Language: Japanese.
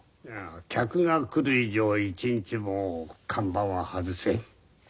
客が来る以上一日も看板は外せん。